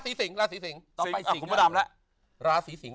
ศีษิงศีสิงตั้งไปสิงอาทิตย์คุณพระดับแล้วลาศีสิง